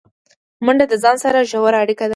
منډه د ځان سره ژوره اړیکه ده